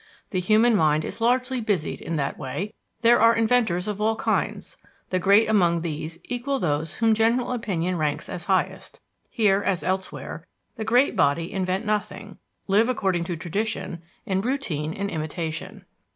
The human mind is largely busied in that way. There are inventors of all kinds the great among these equal those whom general opinion ranks as highest. Here, as elsewhere, the great body invent nothing, live according to tradition, in routine and imitation.